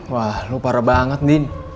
wah lo parah banget din